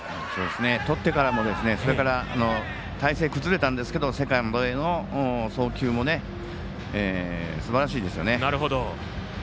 とってからも、それから体勢崩れたんですけどセカンドへの送球もすばらしいですよね。